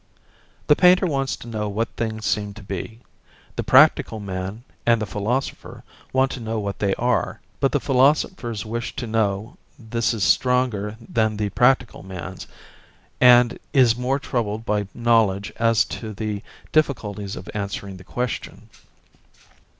The painter wants to know what things seem to be, the practical man and the philosopher want to know what they are; but the philosopher's wish to know this is stronger than the practical man's, and is more troubled by knowledge as to the difficulties of answering the question.